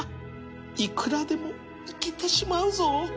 いくらでもいけてしまうぞ